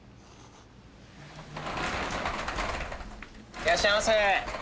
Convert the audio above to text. いらっしゃいませ。